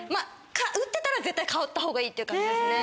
売ってたら絶対買ったほうがいいっていう感じですね。